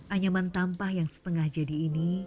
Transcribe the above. anyaman tampah yang setengah jadi ini